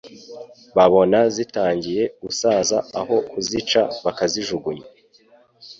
babona zitangiye gusaza aho kuzica bakazijugunya